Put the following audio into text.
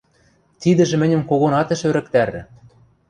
Тидӹжӹ мӹньӹм когонат ӹш ӧрӹктарӹ.